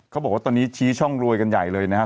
เขาบอกว่าตอนนี้ชี้ช่องรวยกันใหญ่เลยนะครับ